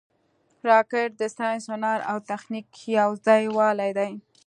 راکټ د ساینس، هنر او تخنیک یو ځای والې دی